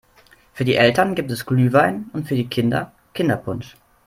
Für die Eltern gibt es Glühwein und für die Kinder Kinderpunsch.